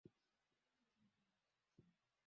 hawatendi wanafanya wananshikiza tu lakini hawatendi